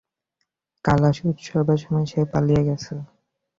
কালাশ উৎসবের সময় সে পালিয়ে গেছে।